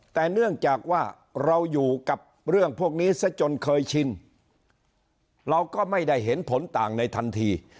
แต่เนื่องจากว่าเราอยู่กับเรื่องพวกนี้ซะจนเคยชินเราก็ไม่ได้เห็นผลต่างในทันที